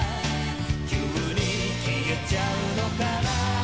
「急に消えちゃうのかな？」